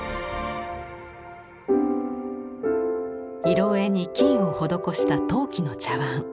色絵に金を施した陶器の茶碗。